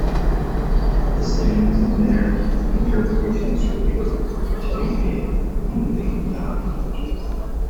Decisions on interpretation of Scripture were to be made communally, not individually.